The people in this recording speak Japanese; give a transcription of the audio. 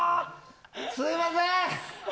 すみません！